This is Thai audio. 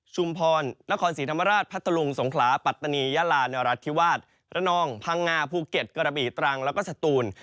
พรนครศรีธรรมราชพัทธลุงสงขลาปัตตานียาลานรัฐธิวาสระนองพังงาภูเก็ตกระบีตรังแล้วก็สตูน